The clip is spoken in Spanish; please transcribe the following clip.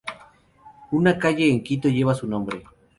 Una calle en Quito lleva su nombre.